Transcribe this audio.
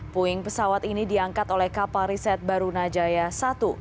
puing pesawat ini diangkat oleh kapal riset baruna jaya i